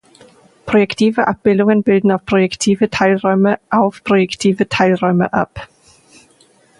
Projektive Abbildungen bilden projektive Teilräume auf projektive Teilräume ab.